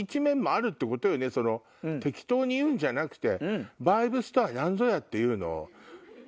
適当に言うんじゃなくて。